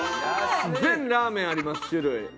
全ラーメンあります種類。